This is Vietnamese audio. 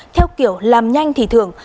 theo kiểu làm nhanh thì thưởng